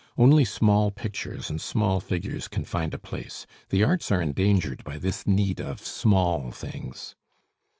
Only small pictures and small figures can find a place; the arts are endangered by this need of small things."